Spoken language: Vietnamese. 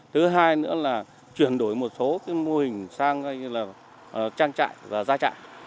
thứ hai nữa là chuyển đổi một số mô hình sang trang trại và gia trại